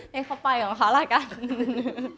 ให้เข้าไปของเขาระกัน